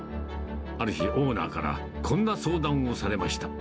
ある日、オーナーからこんな相談をされました。